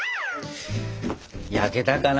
焼けたかな。